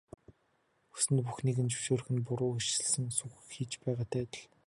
Хүссэн бүхнийг нь зөвшөөрөх нь буруу ишилсэн сүх л хийж байгаатай адил.